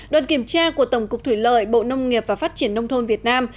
đoàn kiểm tra của tổng cục thủy lợi bộ nông nghiệp và phát triển nông thôn việt nam